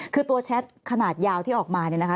คือตัวแชทขนาดยาวที่ออกมาเนี่ยนะคะ